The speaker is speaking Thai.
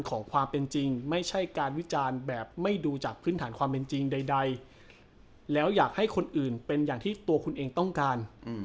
ของความเป็นจริงไม่ใช่การวิจารณ์แบบไม่ดูจากพื้นฐานความเป็นจริงใดแล้วอยากให้คนอื่นเป็นอย่างที่ตัวคุณเองต้องการ